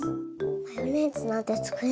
マヨネーズなんてつくれるの？